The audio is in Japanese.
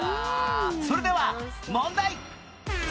それでは問題